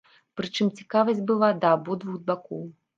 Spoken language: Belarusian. Прычым, цікавасць была да абодвух бакоў.